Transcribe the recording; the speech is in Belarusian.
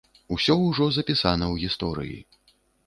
Усё ўжо запісана ў гісторыі.